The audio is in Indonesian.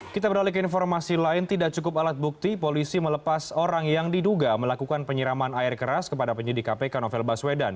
kita beralih ke informasi lain tidak cukup alat bukti polisi melepas orang yang diduga melakukan penyiraman air keras kepada penyidik kpk novel baswedan